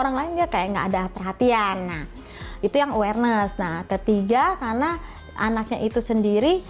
orang lain dia kayak nggak ada perhatian itu yang awareness nah ketiga karena anaknya itu sendiri